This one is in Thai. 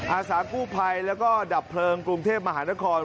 อาสากู้ภัยแล้วก็ดับเพลิงกรุงเทพมหานคร